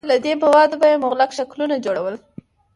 له دې موادو به یې مغلق شکلونه جوړول.